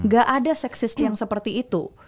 gak ada seksis yang seperti itu